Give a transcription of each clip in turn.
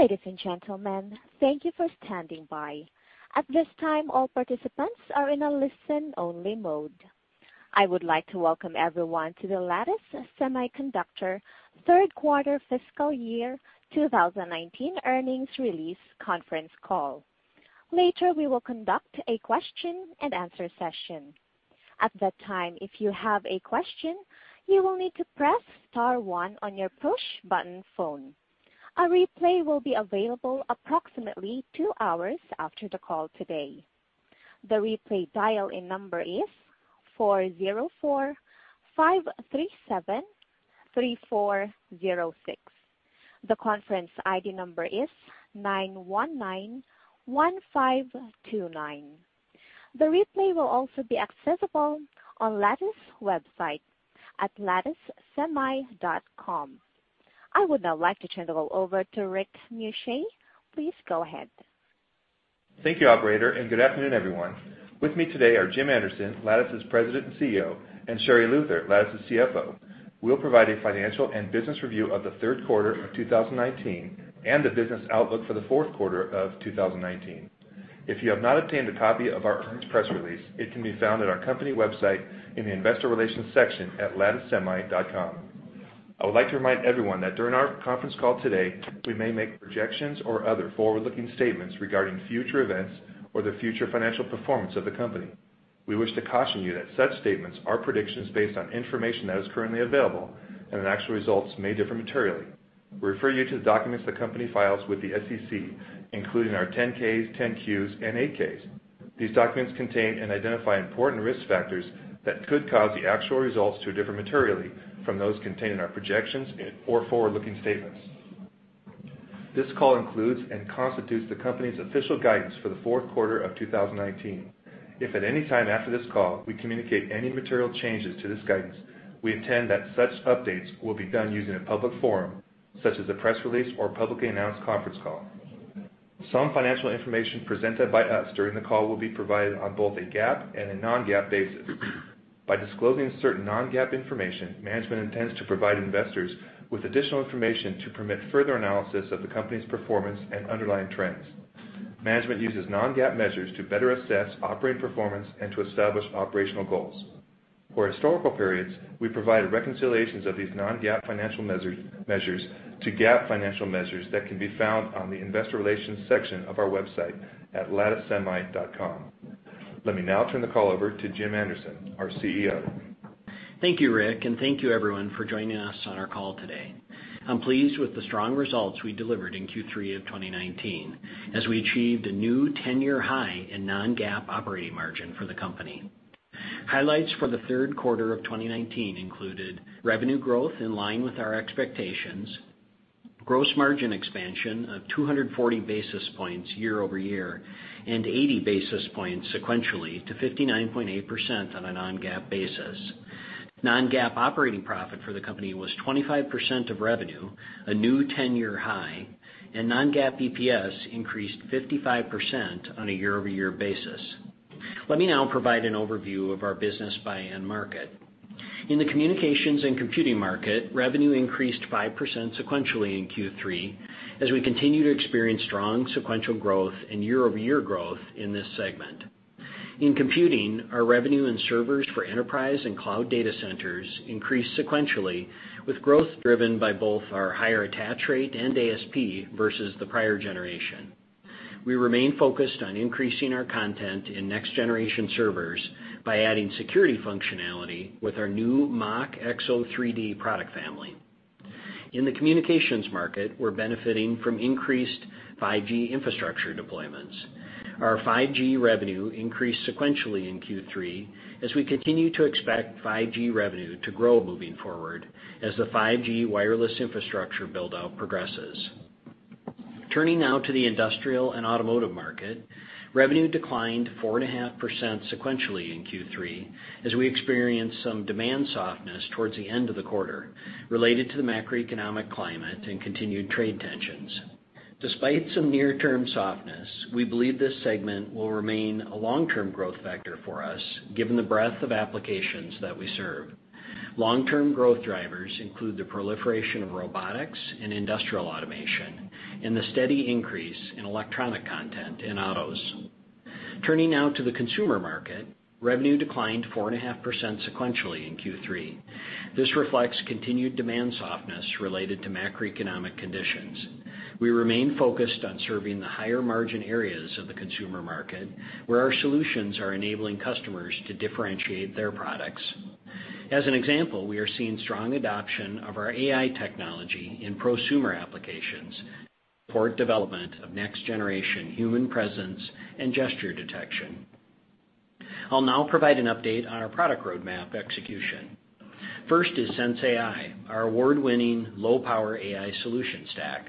Ladies and gentlemen, thank you for standing by. At this time, all participants are in a listen only mode. I would like to welcome everyone to the Lattice Semiconductor third quarter fiscal year 2019 earnings release conference call. Later, we will conduct a question and answer session. At that time, if you have a question, you will need to press star one on your push button phone. A replay will be available approximately two hours after the call today. The replay dial-in number is 404-537-3406. The conference ID number is 9191529. The replay will also be accessible on Lattice website at latticesemi.com. I would now like to turn the call over to Rick Muscha. Please go ahead. Thank you, operator. Good afternoon, everyone. With me today are Jim Anderson, Lattice's President and CEO, and Sherri Luther, Lattice's CFO. We'll provide a financial and business review of the third quarter of 2019 and the business outlook for the fourth quarter of 2019. If you have not obtained a copy of our earnings press release, it can be found at our company website in the investor relations section at latticesemi.com. I would like to remind everyone that during our conference call today, we may make projections or other forward-looking statements regarding future events or the future financial performance of the company. We wish to caution you that such statements are predictions based on information that is currently available. Actual results may differ materially. We refer you to the documents the company files with the SEC, including our 10-K, 10-Q and 8-K. These documents contain and identify important risk factors that could cause the actual results to differ materially from those contained in our projections or forward-looking statements. This call includes and constitutes the company's official guidance for the fourth quarter of 2019. If at any time after this call, we communicate any material changes to this guidance, we intend that such updates will be done using a public forum, such as a press release or publicly announced conference call. Some financial information presented by us during the call will be provided on both a GAAP and a non-GAAP basis. By disclosing certain non-GAAP information, management intends to provide investors with additional information to permit further analysis of the company's performance and underlying trends. Management uses non-GAAP measures to better assess operating performance and to establish operational goals. For historical periods, we provide reconciliations of these non-GAAP financial measures to GAAP financial measures that can be found on the investor relations section of our website at latticesemi.com. Let me now turn the call over to Jim Anderson, our CEO. Thank you, Rick, and thank you everyone for joining us on our call today. I'm pleased with the strong results we delivered in Q3 of 2019 as we achieved a new 10-year high in non-GAAP operating margin for the company. Highlights for the third quarter of 2019 included revenue growth in line with our expectations, gross margin expansion of 240 basis points year-over-year, and 80 basis points sequentially to 59.8% on a non-GAAP basis. Non-GAAP operating profit for the company was 25% of revenue, a new 10-year high, and non-GAAP EPS increased 55% on a year-over-year basis. Let me now provide an overview of our business by end market. In the communications and computing market, revenue increased 5% sequentially in Q3 as we continue to experience strong sequential growth and year-over-year growth in this segment. In computing, our revenue and servers for enterprise and cloud data centers increased sequentially with growth driven by both our higher attach rate and ASP versus the prior generation. We remain focused on increasing our content in next generation servers by adding security functionality with our new MachXO3D product family. In the communications market, we're benefiting from increased 5G infrastructure deployments. Our 5G revenue increased sequentially in Q3 as we continue to expect 5G revenue to grow moving forward as the 5G wireless infrastructure build-out progresses. Turning now to the industrial and automotive market, revenue declined 4.5% sequentially in Q3 as we experienced some demand softness towards the end of the quarter related to the macroeconomic climate and continued trade tensions. Despite some near term softness, we believe this segment will remain a long term growth vector for us, given the breadth of applications that we serve. Long term growth drivers include the proliferation of robotics and industrial automation, and the steady increase in electronic content in autos. Turning now to the consumer market, revenue declined 4.5% sequentially in Q3. This reflects continued demand softness related to macroeconomic conditions. We remain focused on serving the higher margin areas of the consumer market, where our solutions are enabling customers to differentiate their products. As an example, we are seeing strong adoption of our AI technology in prosumer applications for development of next generation human presence and gesture detection. I'll now provide an update on our product roadmap execution. First is sensAI, our award-winning low power AI solution stack.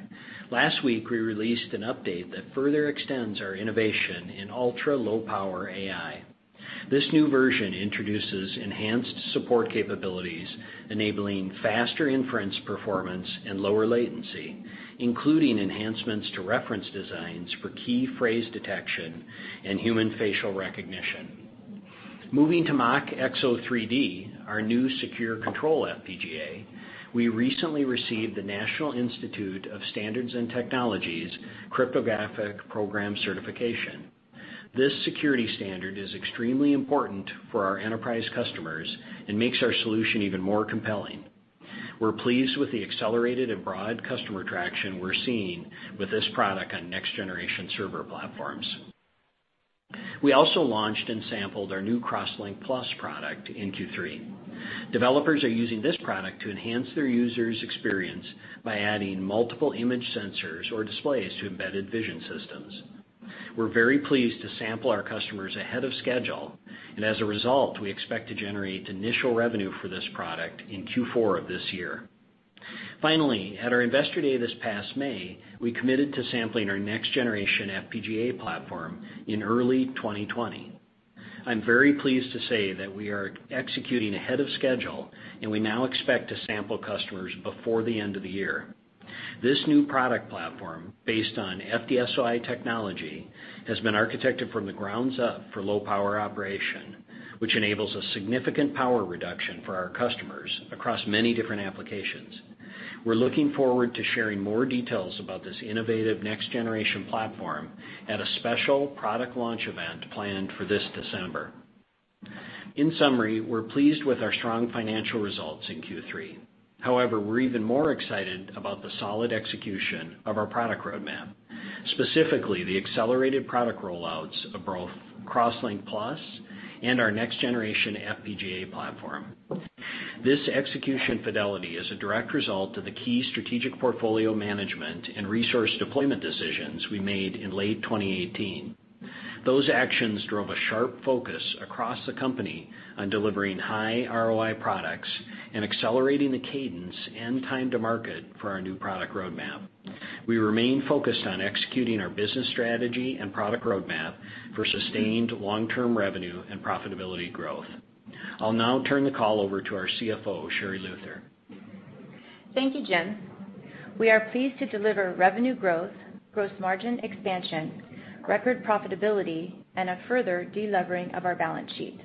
Last week, we released an update that further extends our innovation in ultra-low power AI. This new version introduces enhanced support capabilities enabling faster inference performance and lower latency, including enhancements to reference designs for key phrase detection and human facial recognition. Moving to MachXO3D, our new secure control FPGA, we recently received the National Institute of Standards and Technology cryptographic program certification. This security standard is extremely important for our enterprise customers and makes our solution even more compelling. We're pleased with the accelerated and broad customer traction we're seeing with this product on next-generation server platforms. We also launched and sampled our new CrossLinkPlus product in Q3. Developers are using this product to enhance their users' experience by adding multiple image sensors or displays to embedded vision systems. We're very pleased to sample our customers ahead of schedule, and as a result, we expect to generate initial revenue for this product in Q4 of this year. Finally, at our Investor Day this past May, we committed to sampling our next-generation FPGA platform in early 2020. I'm very pleased to say that we are executing ahead of schedule, and we now expect to sample customers before the end of the year. This new product platform, based on FDSOI technology, has been architected from the ground up for low power operation, which enables a significant power reduction for our customers across many different applications. We're looking forward to sharing more details about this innovative next-generation platform at a special product launch event planned for this December. In summary, we're pleased with our strong financial results in Q3. We're even more excited about the solid execution of our product roadmap, specifically the accelerated product roll-outs of both CrossLinkPlus and our next-generation FPGA platform. This execution fidelity is a direct result of the key strategic portfolio management and resource deployment decisions we made in late 2018. Those actions drove a sharp focus across the company on delivering high ROI products and accelerating the cadence and time to market for our new product roadmap. We remain focused on executing our business strategy and product roadmap for sustained long-term revenue and profitability growth. I'll now turn the call over to our CFO, Sherri Luther. Thank you, Jim. We are pleased to deliver revenue growth, gross margin expansion, record profitability, and a further de-levering of our balance sheet.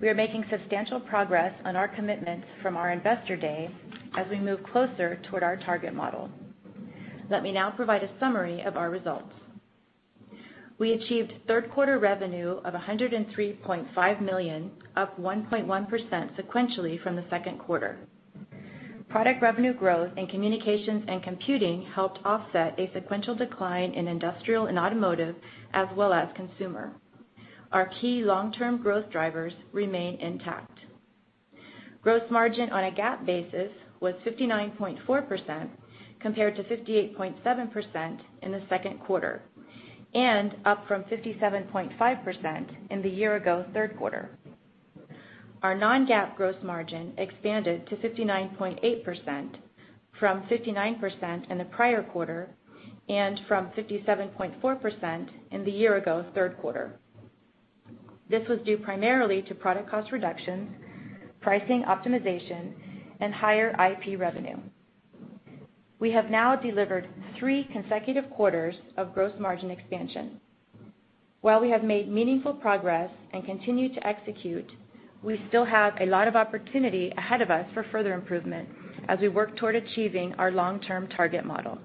We are making substantial progress on our commitments from our Investor Day as we move closer toward our target model. Let me now provide a summary of our results. We achieved third quarter revenue of $103.5 million, up 1.1% sequentially from the second quarter. Product revenue growth in communications and computing helped offset a sequential decline in industrial and automotive, as well as consumer. Our key long-term growth drivers remain intact. Gross margin on a GAAP basis was 59.4%, compared to 58.7% in the second quarter, and up from 57.5% in the year ago third quarter. Our non-GAAP gross margin expanded to 59.8%, from 59% in the prior quarter, and from 57.4% in the year ago third quarter. This was due primarily to product cost reductions, pricing optimization, and higher IP revenue. We have now delivered three consecutive quarters of gross margin expansion. We have made meaningful progress and continue to execute, we still have a lot of opportunity ahead of us for further improvement as we work toward achieving our long-term target model.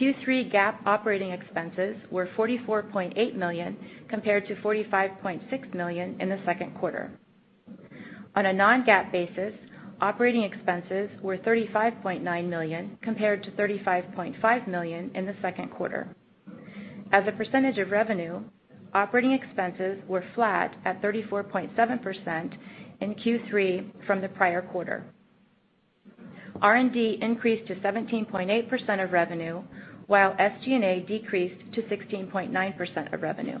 Q3 GAAP operating expenses were $44.8 million, compared to $45.6 million in the second quarter. On a non-GAAP basis, operating expenses were $35.9 million, compared to $35.5 million in the second quarter. As a percentage of revenue, operating expenses were flat at 34.7% in Q3 from the prior quarter. R&D increased to 17.8% of revenue, while SG&A decreased to 16.9% of revenue.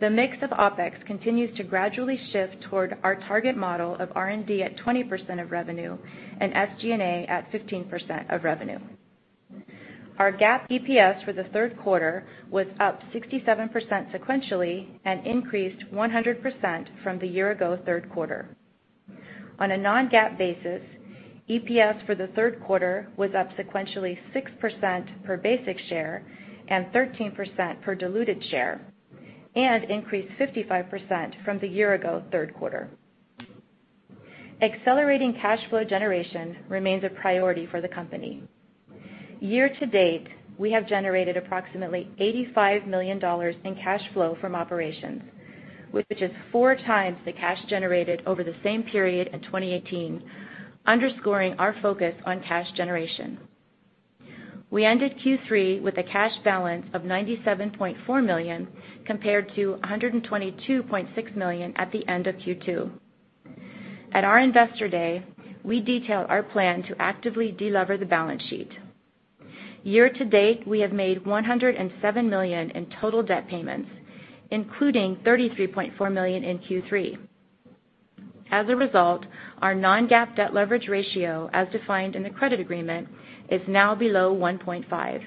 The mix of OpEx continues to gradually shift toward our target model of R&D at 20% of revenue and SG&A at 15% of revenue. Our GAAP EPS for the third quarter was up 67% sequentially and increased 100% from the year ago third quarter. On a non-GAAP basis, EPS for the third quarter was up sequentially 6% per basic share and 13% per diluted share, and increased 55% from the year ago third quarter. Accelerating cash flow generation remains a priority for the company. Year to date, we have generated approximately $85 million in cash flow from operations, which is four times the cash generated over the same period in 2018, underscoring our focus on cash generation. We ended Q3 with a cash balance of $97.4 million, compared to $122.6 million at the end of Q2. At our Investor Day, we detailed our plan to actively de-lever the balance sheet. Year to date, we have made $107 million in total debt payments, including $33.4 million in Q3. As a result, our non-GAAP debt leverage ratio, as defined in the credit agreement, is now below 1.5.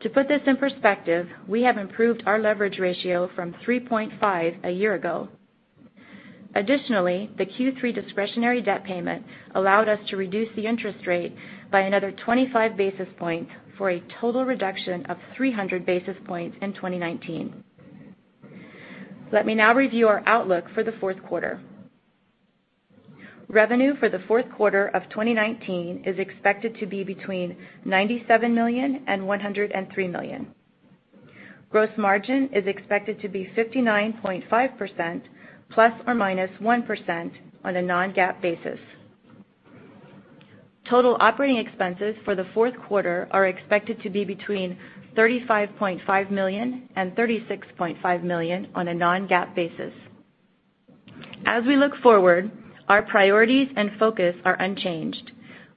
To put this in perspective, we have improved our leverage ratio from 3.5 a year ago. Additionally, the Q3 discretionary debt payment allowed us to reduce the interest rate by another 25 basis points for a total reduction of 300 basis points in 2019. Let me now review our outlook for the fourth quarter. Revenue for the fourth quarter of 2019 is expected to be between $97 million and $103 million. Gross margin is expected to be 59.5%, ±1% on a non-GAAP basis. Total operating expenses for the fourth quarter are expected to be between $35.5 million and $36.5 million on a non-GAAP basis. As we look forward, our priorities and focus are unchanged.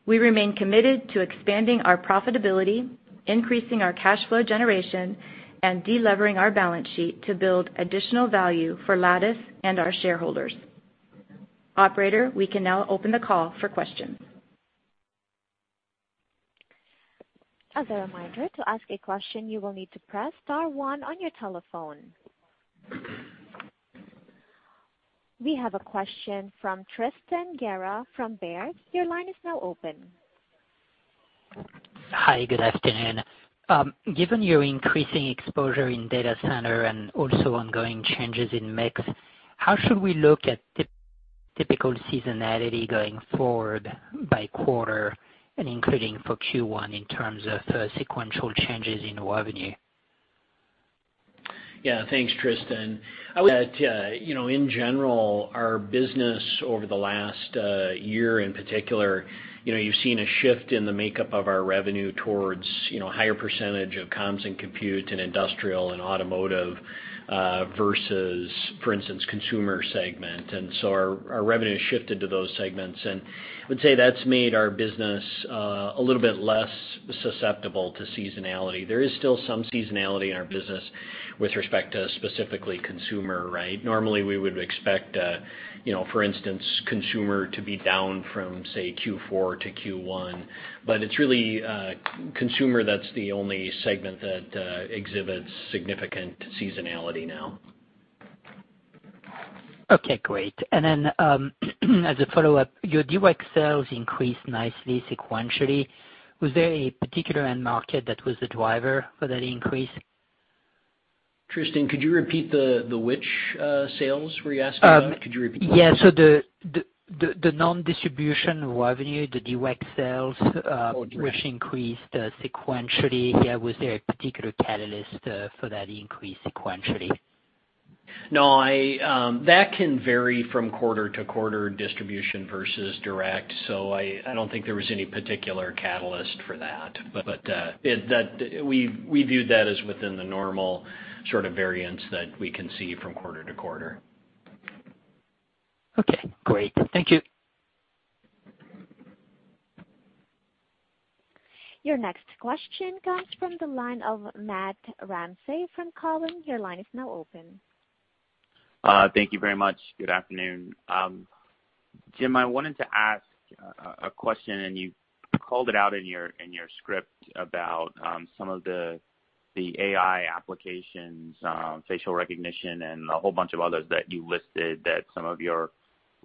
We remain committed to expanding our profitability, increasing our cash flow generation, and de-levering our balance sheet to build additional value for Lattice and our shareholders. Operator, we can now open the call for questions. As a reminder, to ask a question, you will need to press star one on your telephone. We have a question from Tristan Gerra from Baird. Your line is now open. Hi, good afternoon. Given your increasing exposure in data center and also ongoing changes in mix, how should we look at typical seasonality going forward by quarter and including for Q1 in terms of sequential changes in revenue? Yeah. Thanks, Tristan. I would say that, in general, our business over the last year in particular, you've seen a shift in the makeup of our revenue towards higher % of comms and compute and industrial and automotive, versus, for instance, consumer segment. Our revenue has shifted to those segments, and I would say that's made our business a little bit less susceptible to seasonality. There is still some seasonality in our business with respect to specifically consumer. Normally, we would expect, for instance, consumer to be down from, say, Q4 to Q1, but it's really consumer that's the only segment that exhibits significant seasonality now. Okay, great. As a follow-up, your direct sales increased nicely sequentially. Was there a particular end market that was the driver for that increase? Tristan, could you repeat which sales were you asking about? Yeah. the non-distribution revenue, the direct sales. Oh, direct. which increased sequentially. Yeah, was there a particular catalyst for that increase sequentially? No, that can vary from quarter to quarter, distribution versus direct, so I don't think there was any particular catalyst for that. We viewed that as within the normal sort of variance that we can see from quarter to quarter. Okay, great. Thank you. Your next question comes from the line of Matthew Ramsay from Cowen. Your line is now open. Thank you very much. Good afternoon. Jim, I wanted to ask a question, and you called it out in your script about some of the AI applications, facial recognition, and a whole bunch of others that you listed, that some of your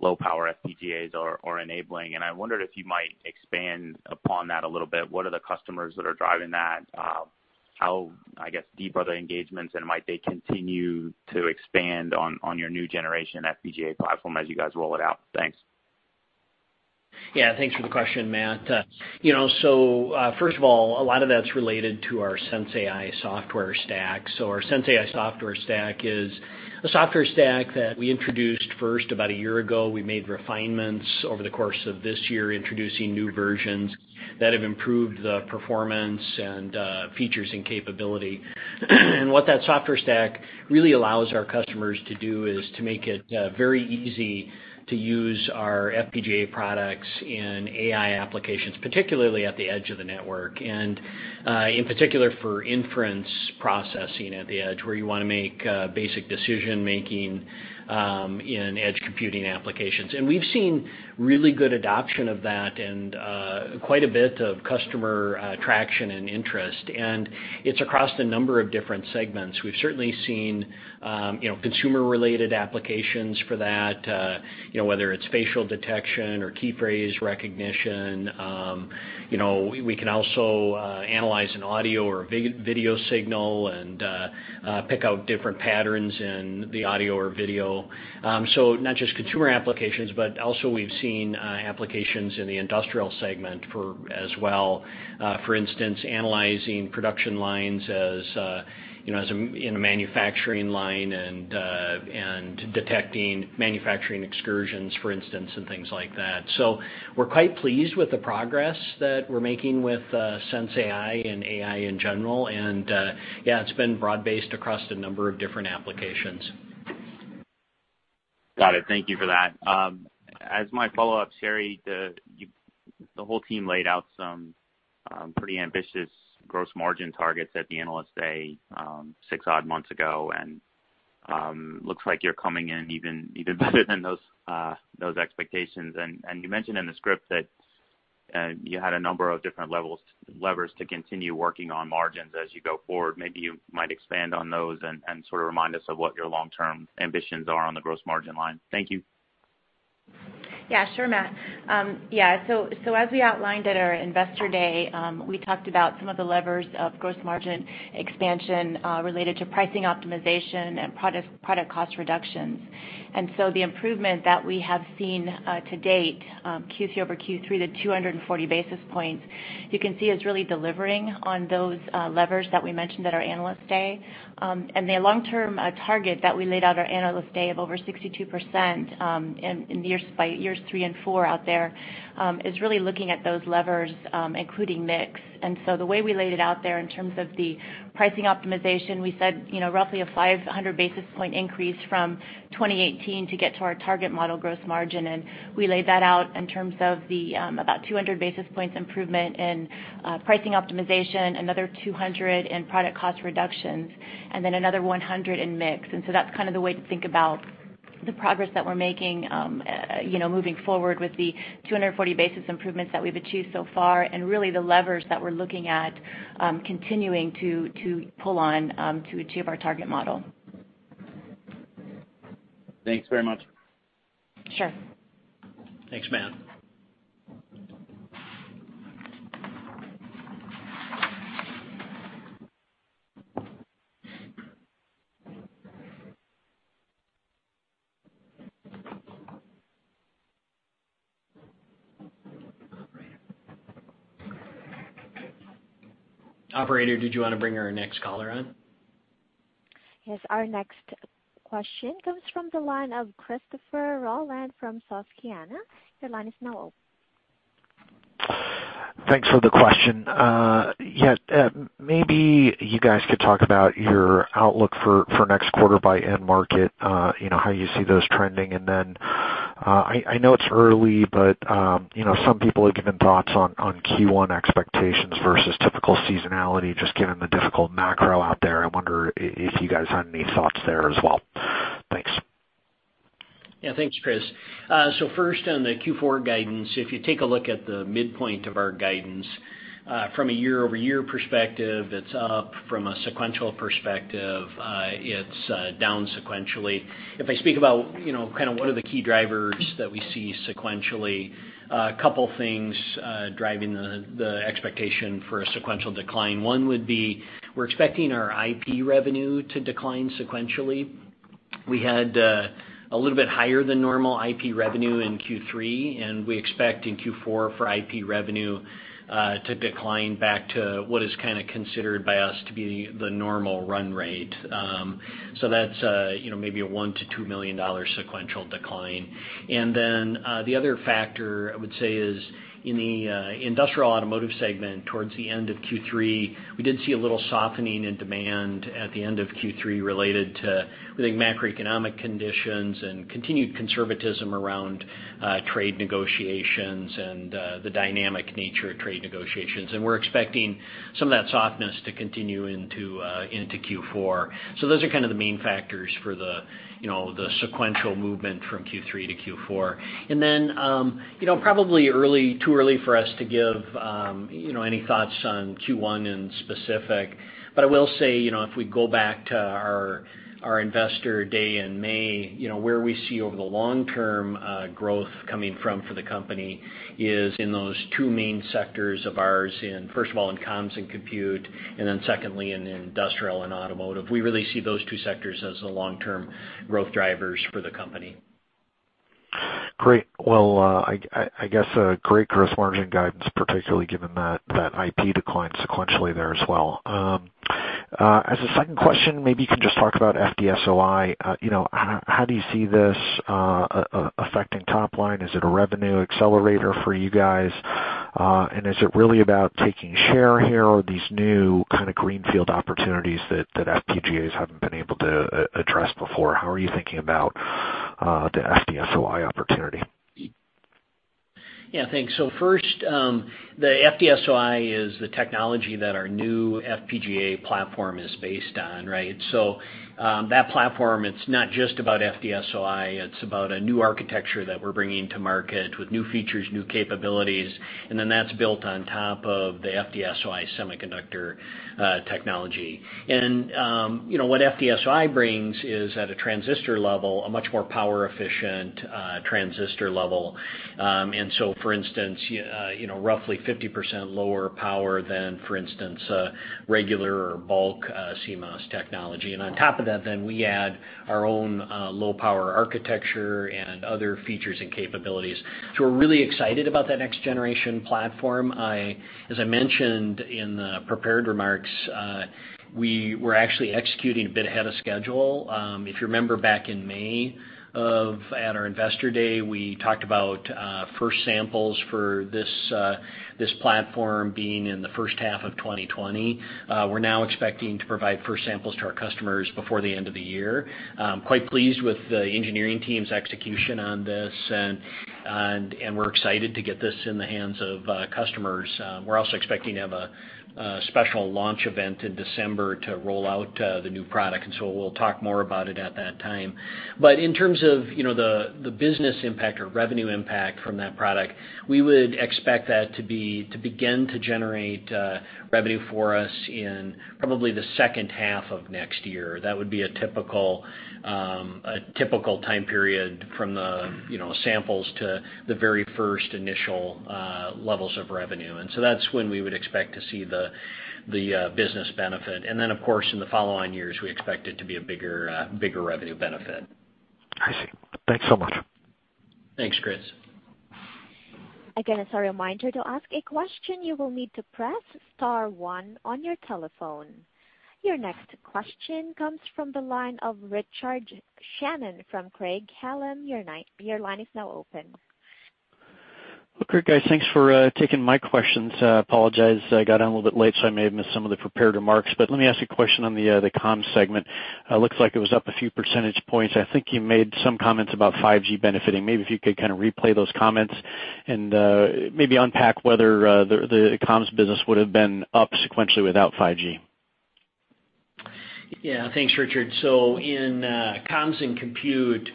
low-power FPGAs are enabling. I wondered if you might expand upon that a little bit. What are the customers that are driving that? How, I guess, deep are the engagements, and might they continue to expand on your new generation FPGA platform as you guys roll it out? Thanks. Thanks for the question, Matt. First of all, a lot of that's related to our sensAI software stack. Our sensAI software stack is a software stack that we introduced first about a year ago. We made refinements over the course of this year, introducing new versions that have improved the performance and features and capability. What that software stack really allows our customers to do is to make it very easy to use our FPGA products in AI applications, particularly at the edge of the network, and in particular for inference processing at the edge, where you want to make basic decision-making in edge computing applications. We've seen really good adoption of that and quite a bit of customer traction and interest. It's across the number of different segments. We've certainly seen consumer-related applications for that, whether it's facial detection or key phrase recognition. We can also analyze an audio or a video signal and pick out different patterns in the audio or video. Not just consumer applications, but also we've seen applications in the industrial segment as well, for instance, analyzing production lines in a manufacturing line and detecting manufacturing excursions, for instance, and things like that. We're quite pleased with the progress that we're making with sensAI and AI in general. Yeah, it's been broad-based across a number of different applications. Got it. Thank you for that. As my follow-up, Sherri, the whole team laid out some pretty ambitious gross margin targets at the Analyst Day, six odd months ago. Looks like you're coming in even better than those expectations. You mentioned in the script that you had a number of different levers to continue working on margins as you go forward. Maybe you might expand on those and remind us of what your long-term ambitions are on the gross margin line. Thank you. Yeah. Sure, Matt. As we outlined at our investor day, we talked about some of the levers of gross margin expansion related to pricing optimization and product cost reductions. The improvement that we have seen to date, Q3 over Q3 to 240 basis points, you can see is really delivering on those levers that we mentioned at our Analyst Day. The long-term target that we laid out at our Analyst Day of over 62% in years three and four out there, is really looking at those levers, including mix. The way we laid it out there in terms of the pricing optimization, we said roughly a 500-basis point increase from 2018 to get to our target model gross margin. We laid that out in terms of the about 200 basis points improvement in pricing optimization, another 200 in product cost reductions, and then another 100 in mix. That's kind of the way to think about the progress that we're making, moving forward with the 240-basis improvements that we've achieved so far, and really the levers that we're looking at continuing to pull on to achieve our target model. Thanks very much. Sure. Thanks, Matt. Operator, did you want to bring our next caller on? Yes, our next question comes from the line of Christopher Rolland from Susquehanna. Your line is now open. Thanks for the question. Yeah. Maybe you guys could talk about your outlook for next quarter by end market, how you see those trending. I know it's early, but some people have given thoughts on Q1 expectations versus typical seasonality, just given the difficult macro out there. I wonder if you guys had any thoughts there as well. Thanks. Yeah. Thanks, Chris. First on the Q4 guidance, if you take a look at the midpoint of our guidance from a year-over-year perspective, it's up. From a sequential perspective, it's down sequentially. If I speak about kind of what are the key drivers that we see sequentially, a couple of things driving the expectation for a sequential decline. One would be, we're expecting our IP revenue to decline sequentially. We had a little bit higher than normal IP revenue in Q3, and we expect in Q4 for IP revenue to decline back to what is kind of considered by us to be the normal run rate. That's maybe a $1 million-$2 million sequential decline. Then, the other factor I would say is in the industrial automotive segment towards the end of Q3, we did see a little softening in demand at the end of Q3 related to, we think, macroeconomic conditions and continued conservatism around trade negotiations and the dynamic nature of trade negotiations. We're expecting some of that softness to continue into Q4. Those are kind of the main factors for the sequential movement from Q3 to Q4. Then, probably too early for us to give any thoughts on Q1 in specific, but I will say if we go back to our investor day in May, where we see over the long-term growth coming from for the company is in those two main sectors of ours in, first of all, in Comms and Compute, and then secondly in Industrial and Automotive. We really see those two sectors as the long-term growth drivers for the company. Great. Well, I guess, great gross margin guidance, particularly given that IP declined sequentially there as well. As a second question, maybe you can just talk about FDSOI. How do you see this affecting top line? Is it a revenue accelerator for you guys? Is it really about taking share here, or these new kind of greenfield opportunities that FPGAs haven't been able to address before? How are you thinking about the FDSOI opportunity? Thanks. First, the FDSOI is the technology that our new FPGA platform is based on. That platform, it's not just about FDSOI, it's about a new architecture that we're bringing to market with new features, new capabilities, and then that's built on top of the FDSOI semiconductor technology. What FDSOI brings is at a transistor level, a much more power-efficient transistor level. For instance, roughly 50% lower power than, for instance, regular or bulk CMOS technology. On top of that, then we add our own low-power architecture and other features and capabilities. We're really excited about that next-generation platform. As I mentioned in the prepared remarks, we were actually executing a bit ahead of schedule. If you remember back in May, at our investor day, we talked about first samples for this platform being in the first half of 2020. We're now expecting to provide first samples to our customers before the end of the year. Quite pleased with the engineering team's execution on this, and we're excited to get this in the hands of customers. We're also expecting to have a special launch event in December to roll out the new product. We'll talk more about it at that time. In terms of the business impact or revenue impact from that product, we would expect that to begin to generate revenue for us in probably the second half of next year. That would be a typical time period from the samples to the very first initial levels of revenue. That's when we would expect to see the business benefit. Of course, in the following years, we expect it to be a bigger revenue benefit. I see. Thanks so much. Thanks, Chris. Again, as a reminder, to ask a question, you will need to press star one on your telephone. Your next question comes from the line of Richard Shannon from Craig-Hallum. Your line is now open. Look, great. Guys, thanks for taking my questions. Apologize, I got on a little bit late, so I may have missed some of the prepared remarks, but let me ask you a question on the comms segment. Looks like it was up a few percentage points. I think you made some comments about 5G benefiting. Maybe if you could kind of replay those comments and maybe unpack whether the comms business would've been up sequentially without 5G. Yeah. Thanks, Richard. In comms and compute,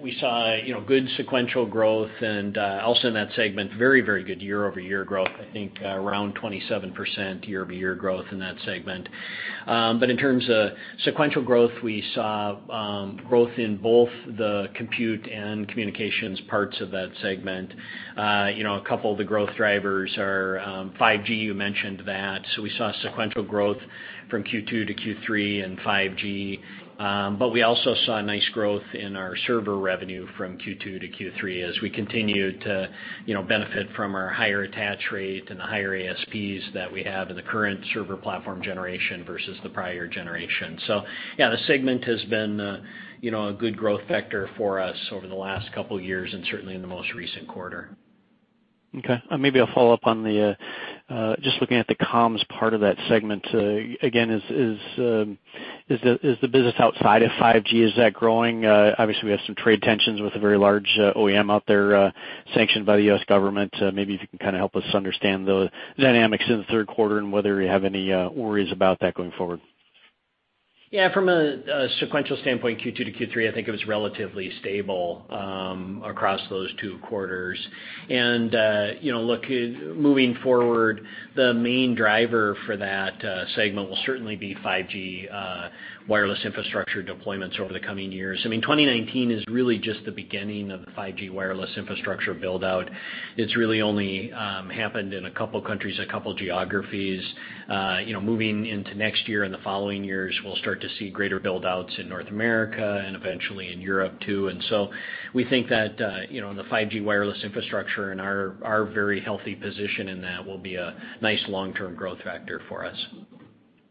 we saw good sequential growth and, also in that segment, very good year-over-year growth, I think around 27% year-over-year growth in that segment. In terms of sequential growth, we saw growth in both the compute and communications parts of that segment. A couple of the growth drivers are 5G, you mentioned that. We saw sequential growth from Q2 to Q3 in 5G. We also saw nice growth in our server revenue from Q2 to Q3 as we continued to benefit from our higher attach rate and the higher ASPs that we have in the current server platform generation versus the prior generation. Yeah, the segment has been a good growth vector for us over the last couple of years and certainly in the most recent quarter. Okay. Maybe I'll follow up on the, just looking at the comms part of that segment, again, is the business outside of 5G, is that growing? Obviously, we have some trade tensions with a very large OEM out there, sanctioned by the U.S. government. Maybe if you can kind of help us understand the dynamics in the third quarter and whether you have any worries about that going forward. Yeah. From a sequential standpoint, Q2 to Q3, I think it was relatively stable across those two quarters. Look, moving forward, the main driver for that segment will certainly be 5G wireless infrastructure deployments over the coming years. 2019 is really just the beginning of the 5G wireless infrastructure build-out. It's really only happened in a couple countries, a couple geographies. Moving into next year and the following years, we'll start to see greater build-outs in North America and eventually in Europe, too. We think that in the 5G wireless infrastructure and our very healthy position in that will be a nice long-term growth factor for us.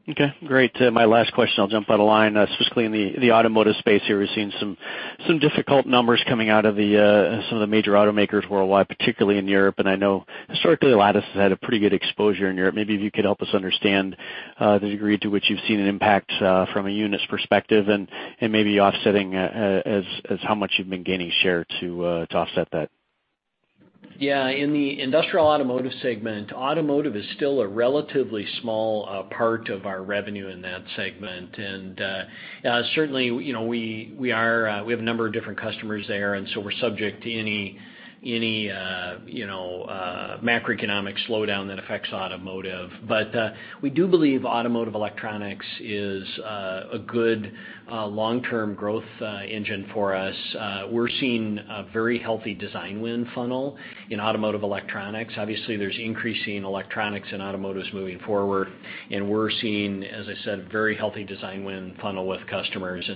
Okay, great. My last question, I'll jump out of line. Specifically in the automotive space here, we've seen some difficult numbers coming out of some of the major automakers worldwide, particularly in Europe. I know historically Lattice has had a pretty good exposure in Europe. Maybe if you could help us understand the degree to which you've seen an impact from a units perspective and maybe offsetting as how much you've been gaining share to offset that. Yeah. In the industrial automotive segment, automotive is still a relatively small part of our revenue in that segment. Certainly, we have a number of different customers there, and so we're subject to any macroeconomic slowdown that affects automotive. We do believe automotive electronics is a good long-term growth engine for us. We're seeing a very healthy design win funnel in automotive electronics. Obviously, there's increasing electronics in automotives moving forward, and we're seeing, as I said, very healthy design win funnel with customers.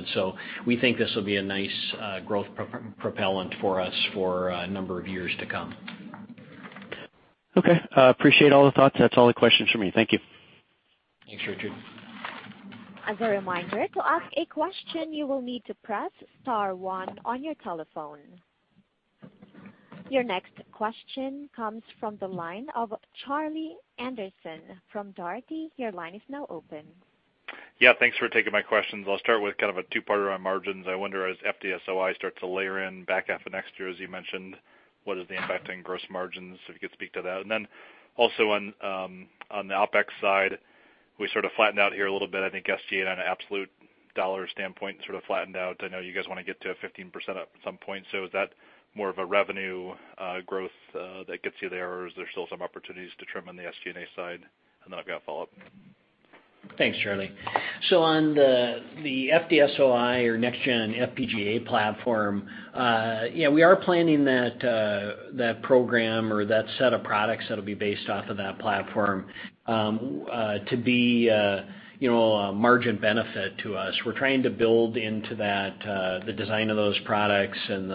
We think this will be a nice growth propellant for us for a number of years to come. Okay. Appreciate all the thoughts. That's all the questions from me. Thank you. Thanks, Richard. As a reminder, to ask a question, you will need to press star one on your telephone. Your next question comes from the line of Charlie Anderson from Dougherty. Your line is now open. Yeah. Thanks for taking my questions. I'll start with kind of a two-parter on margins. I wonder, as FDSOI starts to layer in back half of next year, as you mentioned, what is the impact on gross margins? If you could speak to that. Also on the OpEx side, we sort of flattened out here a little bit. I think SG&A on an absolute dollar standpoint sort of flattened out. I know you guys want to get to 15% at some point. Is that more of a revenue growth that gets you there, or is there still some opportunities to trim on the SG&A side? I've got a follow-up. Thanks, Charlie. On the FDSOI or next-gen FPGA platform, yeah, we are planning that program or that set of products that'll be based off of that platform to be a margin benefit to us. We're trying to build into that, the design of those products and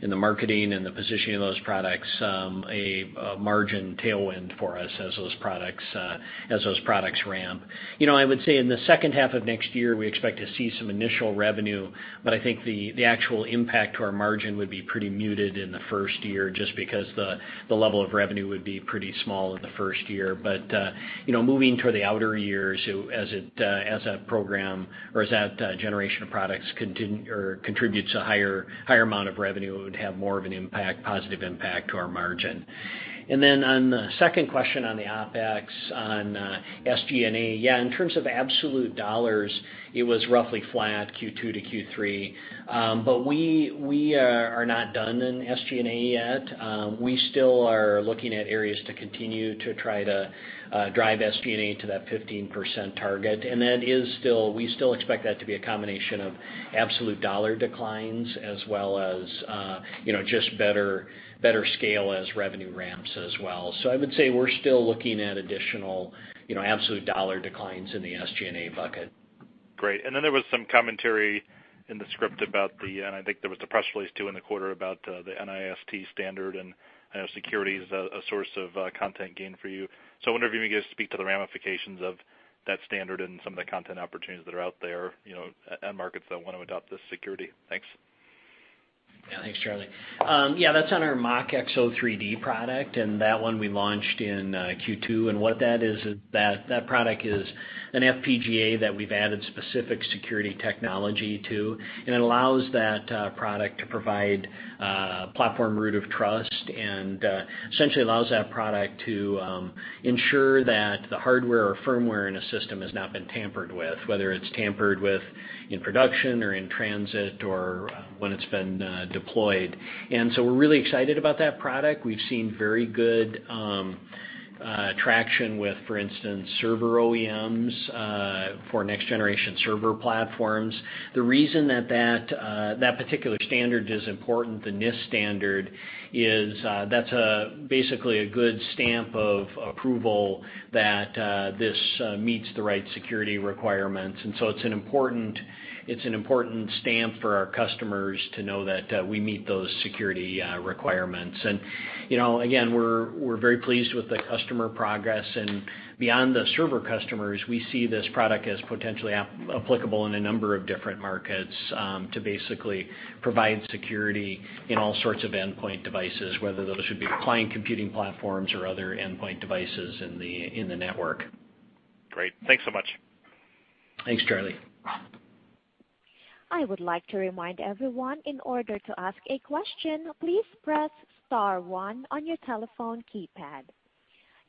the marketing and the positioning of those products, a margin tailwind for us as those products ramp. I would say in the second half of next year, we expect to see some initial revenue, I think the actual impact to our margin would be pretty muted in the first year, just because the level of revenue would be pretty small in the first year. Moving toward the outer years, as that program or as that generation of products contributes a higher amount of revenue, it would have more of an impact, positive impact to our margin. On the second question on the OpEx on SG&A, yeah, in terms of absolute dollars, it was roughly flat Q2 to Q3. We are not done in SG&A yet. We still are looking at areas to continue to try to drive SG&A to that 15% target. We still expect that to be a combination of absolute dollar declines as well as just better scale as revenue ramps as well. I would say we're still looking at additional absolute dollar declines in the SG&A bucket. Great. Then there was some commentary in the script about the, and I think there was a press release, too, in the quarter about the NIST standard and security as a source of content gain for you. I wonder if you can just speak to the ramifications of that standard and some of the content opportunities that are out there, end markets that want to adopt this security. Thanks. Thanks, Charlie. That's on our MachXO3D product, and that one we launched in Q2. What that is that product is an FPGA that we've added specific security technology to, and it allows that product to provide platform root of trust and, essentially, allows that product to ensure that the hardware or firmware in a system has not been tampered with, whether it's tampered with in production or in transit, or when it's been deployed. We're really excited about that product. We've seen very good traction with, for instance, server OEMs for next-generation server platforms. The reason that particular standard is important, the NIST standard, is that's basically a good stamp of approval that this meets the right security requirements. It's an important stamp for our customers to know that we meet those security requirements. Again, we're very pleased with the customer progress. Beyond the server customers, we see this product as potentially applicable in a number of different markets, to basically provide security in all sorts of endpoint devices, whether those should be client computing platforms or other endpoint devices in the network. Great. Thanks so much. Thanks, Charlie. I would like to remind everyone, in order to ask a question, please press star one on your telephone keypad.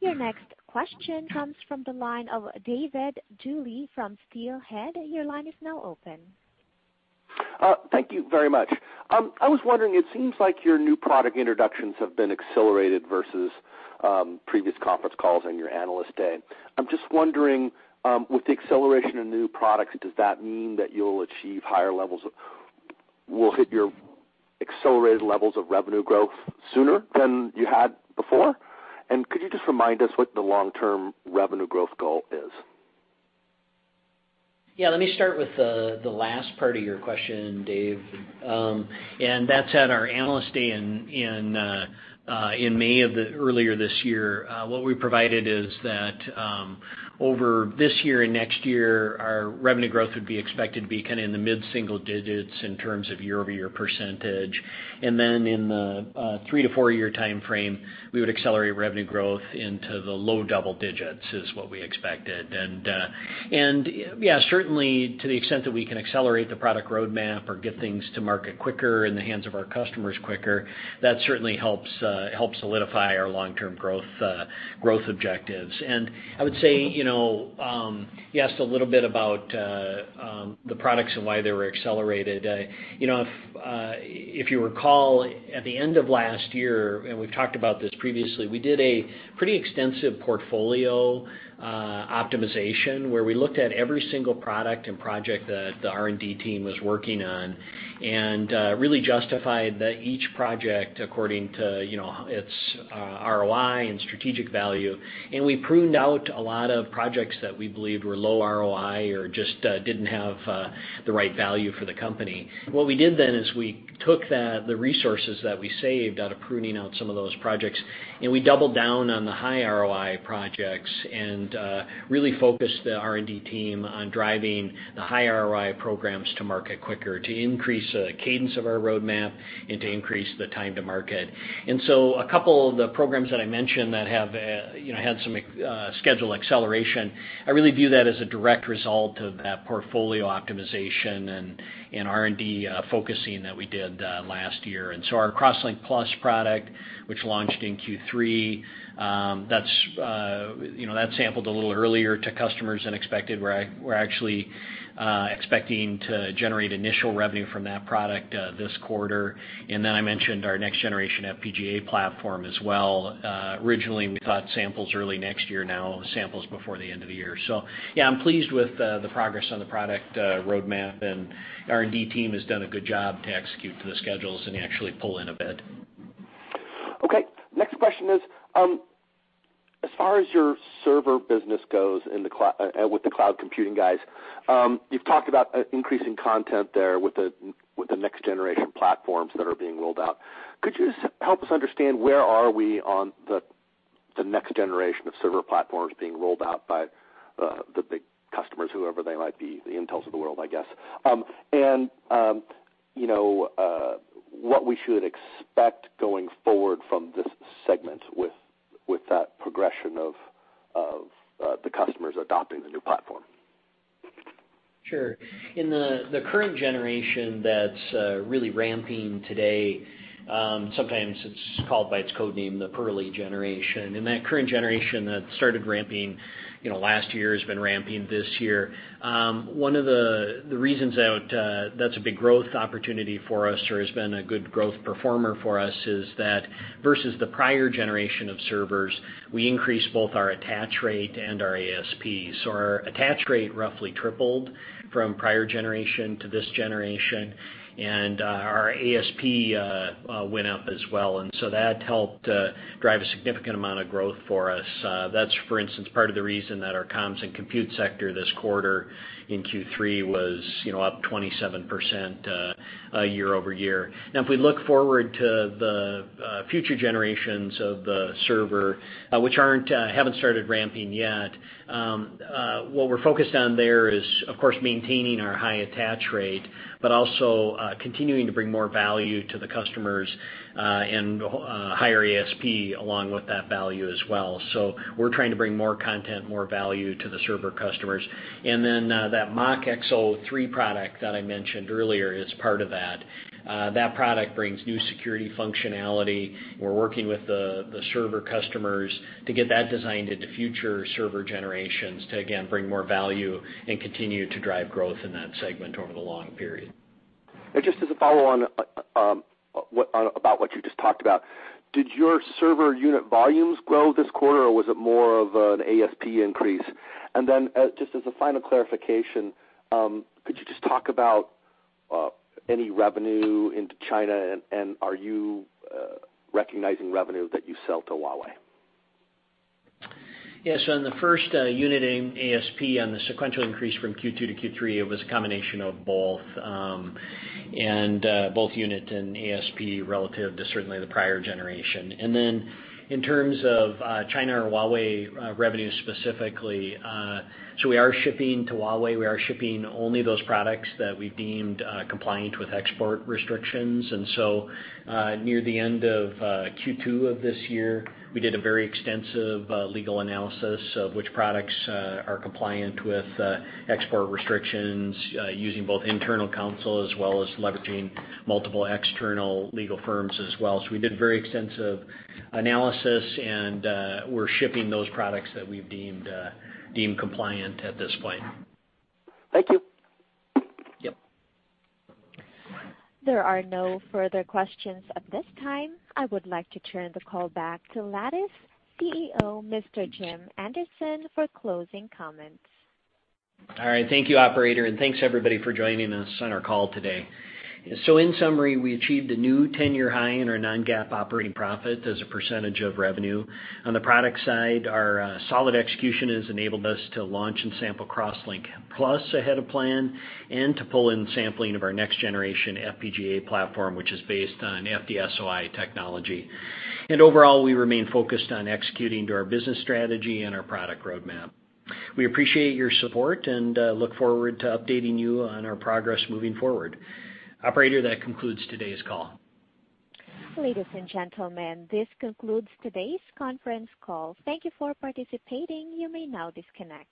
Your next question comes from the line of David Duley from Steelhead. Your line is now open. Thank you very much. I was wondering, it seems like your new product introductions have been accelerated versus previous conference calls and your Analyst Day. I'm just wondering, with the acceleration of new products, does that mean that will hit your accelerated levels of revenue growth sooner than you had before? Could you just remind us what the long-term revenue growth goal is? Yeah, let me start with the last part of your question, Dave. That's at our Analyst Day in May of earlier this year. What we provided is that, over this year and next year, our revenue growth would be expected to be in the mid-single digits in terms of year-over-year %. In the three-to-four-year timeframe, we would accelerate revenue growth into the low double digits, is what we expected. Yeah, certainly to the extent that we can accelerate the product roadmap or get things to market quicker, in the hands of our customers quicker, that certainly helps solidify our long-term growth objectives. I would say, you asked a little bit about the products and why they were accelerated. If you recall, at the end of last year, and we've talked about this previously, we did a pretty extensive portfolio optimization where we looked at every single product and project that the R&D team was working on and really justified each project according to its ROI and strategic value. We pruned out a lot of projects that we believed were low ROI or just didn't have the right value for the company. What we did then, is we took the resources that we saved out of pruning out some of those projects, and we doubled down on the high ROI projects and really focused the R&D team on driving the high ROI programs to market quicker, to increase the cadence of our roadmap, and to increase the time to market. A couple of the programs that I mentioned that have had some schedule acceleration, I really view that as a direct result of that portfolio optimization and R&D focusing that we did last year. Our CrossLinkPlus product, which launched in Q3, that sampled a little earlier to customers than expected. We're actually expecting to generate initial revenue from that product this quarter. I mentioned our next-generation FPGA platform as well. Originally, we thought samples early next year. Now samples before the end of the year. Yeah, I'm pleased with the progress on the product roadmap, and R&D team has done a good job to execute to the schedules and actually pull in a bit. Okay. Next question is, as far as your server business goes with the cloud computing guys, you've talked about increasing content there with the next-generation platforms that are being rolled out. Could you just help us understand where are we on the next generation of server platforms being rolled out by the big customers, whoever they might be, the Intels of the world, I guess. What we should expect going forward from this segment with that progression of the customers adopting the new platform. Sure. In the current generation that's really ramping today, sometimes it's called by its code name, the Purley generation. That current generation that started ramping last year has been ramping this year. One of the reasons that's a big growth opportunity for us or has been a good growth performer for us, is that versus the prior generation of servers, we increased both our attach rate and our ASP. Our attach rate roughly tripled from prior generation to this generation, and our ASP went up as well. That helped drive a significant amount of growth for us. That's, for instance, part of the reason that our comms and compute sector this quarter in Q3 was up 27% year-over-year. If we look forward to future generations of the server, which haven't started ramping yet. What we're focused on there is, of course, maintaining our high attach rate, but also continuing to bring more value to the customers, and higher ASP along with that value as well. We're trying to bring more content, more value to the server customers. That MachXO3 product that I mentioned earlier is part of that. That product brings new security functionality. We're working with the server customers to get that designed into future server generations to, again, bring more value and continue to drive growth in that segment over the long period. Just as a follow-on about what you just talked about, did your server unit volumes grow this quarter, or was it more of an ASP increase? Just as a final clarification, could you just talk about any revenue into China, and are you recognizing revenue that you sell to Huawei? Yes. In the first unit in ASP, on the sequential increase from Q2 to Q3, it was a combination of both unit and ASP relative to certainly the prior generation. In terms of China or Huawei revenue specifically, we are shipping to Huawei. We are shipping only those products that we've deemed compliant with export restrictions. Near the end of Q2 of this year, we did a very extensive legal analysis of which products are compliant with export restrictions, using both internal counsel as well as leveraging multiple external legal firms as well. We did very extensive analysis, and we're shipping those products that we've deemed compliant at this point. Thank you. Yep. There are no further questions at this time. I would like to turn the call back to Lattice CEO, Mr. Jim Anderson, for closing comments. All right. Thank you, operator, and thanks everybody for joining us on our call today. In summary, we achieved a new 10-year high in our non-GAAP operating profit as a % of revenue. On the product side, our solid execution has enabled us to launch and sample CrossLinkPlus ahead of plan and to pull in sampling of our next-generation FPGA platform, which is based on FDSOI technology. Overall, we remain focused on executing to our business strategy and our product roadmap. We appreciate your support and look forward to updating you on our progress moving forward. Operator, that concludes today's call. Ladies and gentlemen, this concludes today's conference call. Thank you for participating. You may now disconnect.